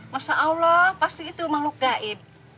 masya allah pasti itu makhluk gaib